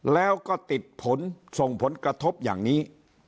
แล้วก็ติดผลส่งผลกระทบอย่างนี้